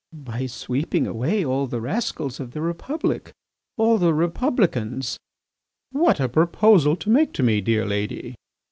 "By sweeping away all the rascals of the Republic, all the Republicans." "What a proposal to make to me, dear lady!"